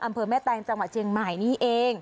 อำเภอแม่แตงจังหวัดเชียงใหม่นี่เอง